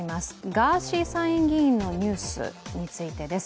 ガーシー参院議員のニュースについてです。